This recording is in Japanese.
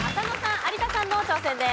有田さんの挑戦です。